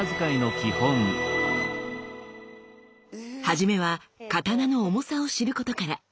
はじめは刀の重さを知ることから。